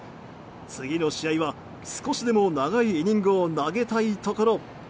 次の試合は少しでも長いイニングを投げたいところ。